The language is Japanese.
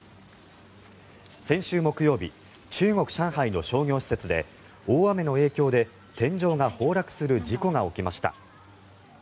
先週木曜日中国・上海の商業施設で大雨の影響で天井が崩落する事故が起きました。